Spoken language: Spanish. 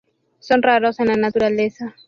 Son raros en la naturaleza.